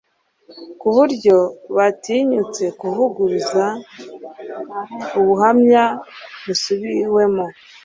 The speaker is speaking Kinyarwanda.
ku buryo batinyutse kuvuguruza ubuhamya busubiwemo,